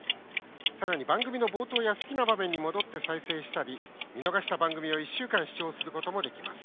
さらに番組の冒頭や好きな場面に戻って再生したり見逃した番組を１週間視聴することもできます。